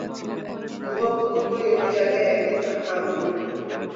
ধোবাপুকুর বলিয়া একটা জায়গায় একদিন তাহার তাঁবু পড়িল।